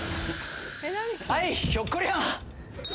はい、ひょっこりはん。